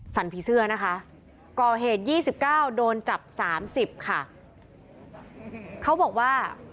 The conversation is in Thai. สั่นพี่เสื้อนะคะก๙๙โดนจับ๓๐ค่ะเขาบอกว่า